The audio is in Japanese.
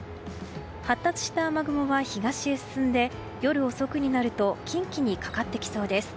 発達した雨雲は東へ進んで夜遅くになると近畿にかかってきそうです。